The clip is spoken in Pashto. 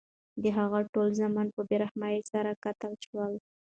د هغه ټول زامن په بې رحمۍ سره قتل شول.